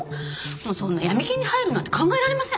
そんな闇金に入るなんて考えられません。